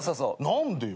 何でよ。